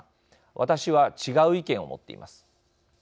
私は違う意見を持っています。